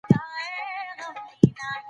اسلام د قلم یادونه کړې وه.